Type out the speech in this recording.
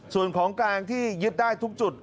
ส่วนของกลางที่ยึดได้ทุกจุด